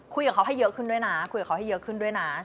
คุยกับเขาให้เยอะขึ้นด้วยนะ